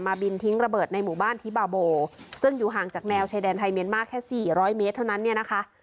บินทิ้งระเบิดในหมู่บ้านทิบาโบซึ่งอยู่ห่างจากแนวชายแดนไทยเมียนมาร์แค่สี่ร้อยเมตรเท่านั้นเนี่ยนะคะ